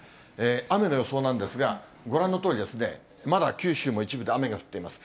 雨の予想なんですが、ご覧のとおり、まだ九州も一部で雨が降っています。